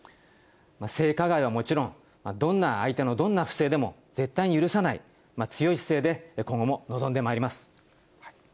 性加害はもちろん、どんな相手のどんな不正でも絶対に許さない、強い姿勢で今後も臨んでまいります。